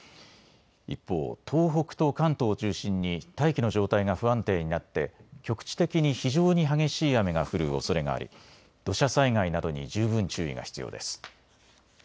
一方、東北と関東を中心に大気の状態が不安定になって局地的に非常に激しい雨が降るおそれがあり土砂災害などに十分注意が必要です。